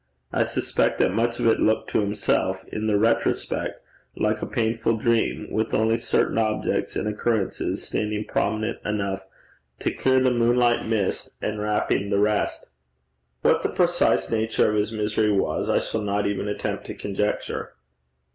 I suspect that much of it looked to himself in the retrospect like a painful dream, with only certain objects and occurrences standing prominent enough to clear the moonlight mist enwrapping the rest. What the precise nature of his misery was I shall not even attempt to conjecture.